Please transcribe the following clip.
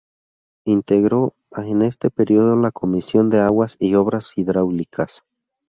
Integró en este período la Comisión de Aguas y Obras Hidráulicas.